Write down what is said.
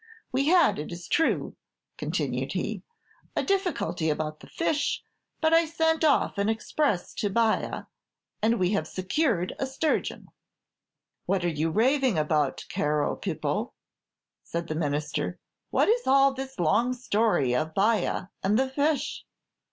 We had, it is true," continued he, "a difficulty about the fish, but I sent off an express to Baia, and we have secured a sturgeon." "What are you raving about, caro Pipo?" said the Minister; "what is all this long story of Baia and the fish?"